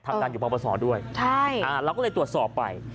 ทำงานอยู่ปปศด้วยเราก็เลยตรวจสอบไป